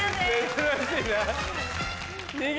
珍しいな。